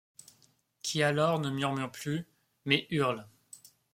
Qui alors ne murmure plus mais hurle.